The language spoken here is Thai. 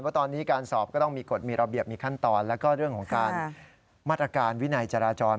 ว่าตอนนี้การสอบก็ต้องมีกฎมีระเบียบมีขั้นตอนแล้วก็เรื่องของการมาตรการวินัยจราจร